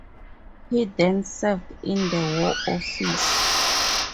He then served in the War Office.